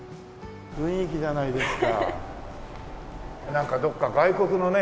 なんかどこか外国のね